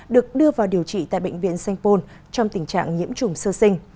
được đưa vào điều trị tại bệnh viện sanh pôn trong tình trạng nhiễm chủng sơ sinh